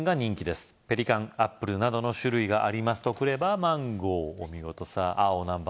「ペリカン」「アップル」などの種類がありますとくればマンゴーお見事さぁ青何番？